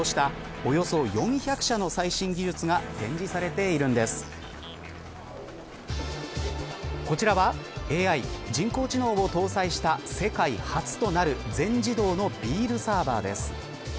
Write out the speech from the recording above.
およそ４００社の最新技術が展示されているのですこちらはＡＩ人工知能を搭載した世界初となる全自動のビールサーバーです。